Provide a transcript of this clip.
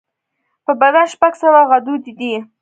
په بدن شپږ سوه غدودي دي.